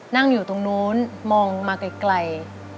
นั่งอยู่ตรงนู้นมองมาไกล